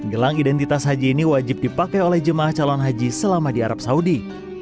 gelang identitas haji ini wajib dipakai oleh jemaah calon haji selama di arab saudi